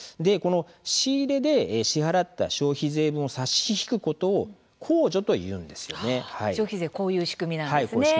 仕入れで支払った消費税分を消費税はこういう仕組みなんですね。